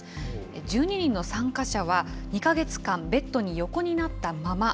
１２人の参加者は、２か月間ベッドに横になったまま。